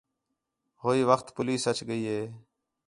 ہوئی وخت پولیس اَچ ڳئی ہِے